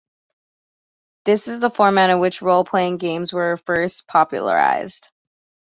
This is the format in which role-playing games were first popularized.